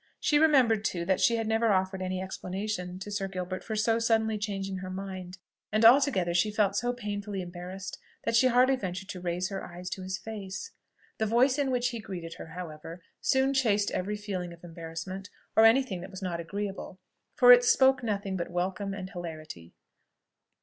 She remembered, too, that she had never offered any explanation to Sir Gilbert for so suddenly changing her mind; and altogether she felt so painfully embarrassed, that she hardly ventured to raise her eyes to his face. The voice in which he greeted her, however, soon chased every feeling of embarrassment, or any thing else that was not agreeable, for it spoke nothing but welcome and hilarity.